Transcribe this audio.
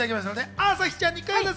朝日ちゃんにクイズッス！